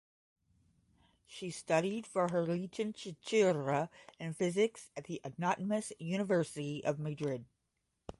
She studied for her Licenciatura in Physics at the Autonomous University of Madrid.